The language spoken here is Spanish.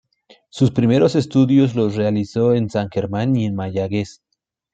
Sus primeros estudios los realizó en San Germán y en Mayagüez.